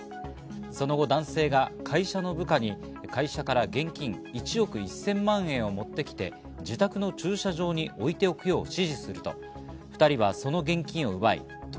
その後、男性が会社の部下に会社から現金１億１０００万円を持ってきて、自宅の駐車場に置いておくよう指示すると２人はその現金を奪い逃